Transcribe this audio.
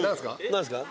何ですか？